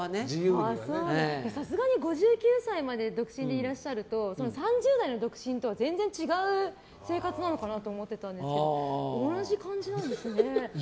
さすがに５９歳まで独身でいらっしゃると３０代の独身とは全然違う生活なのかなと思ってたんですけど同じ感じなんですね。